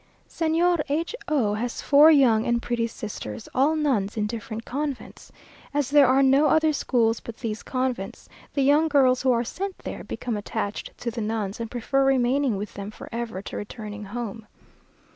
Señor H o has four young and pretty sisters, all nuns in different convents. As there are no other schools but these convents, the young girls who are sent there become attached to the nuns, and prefer remaining with them for ever to returning home.